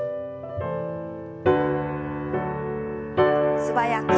素早く。